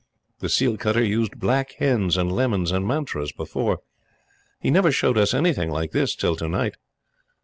The seal cutter used black hens and lemons and mantras before. He never showed us anything like this till to night.